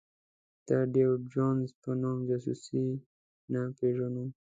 د ډېویډ جونز په نوم جاسوس نه پېژنو.